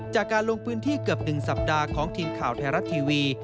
จากการลงพื้นที่เกือบ๑สัปดาห์ของทีมข่าวไทยรัฐทีวี